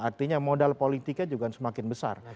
artinya modal politiknya juga semakin besar